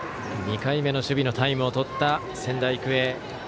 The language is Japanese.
２回目の守備のタイムを取った仙台育英。